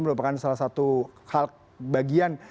merupakan salah satu hal bagian